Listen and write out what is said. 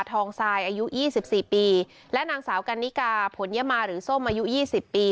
ทรายอายุ๒๔ปีและนางสาวกันนิกาผลยมาหรือส้มอายุยี่สิบปี